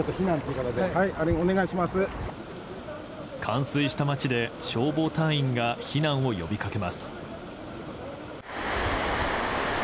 冠水した街で消防隊員が避難を呼びかけます。